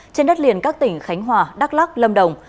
trên đất liền các tỉnh khánh hòa đắk lắc lâm đồng